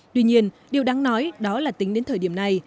tuy nhiên điều đáng nói đó là tính đến thời điểm này